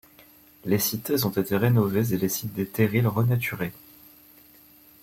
Les cités ont été rénovés et les sites des terrils renaturés.